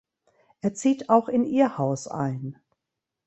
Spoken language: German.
Er zieht auch in ihr Haus ein.